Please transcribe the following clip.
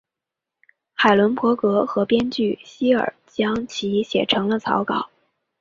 海伦伯格和编剧希尔将其写成了草稿。